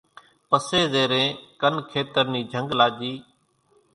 پسي زيرين ڪن کيتر ني جنگ لاڄي